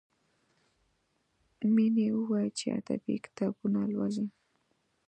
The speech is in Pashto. مینې وویل چې ادبي کتابونه لولي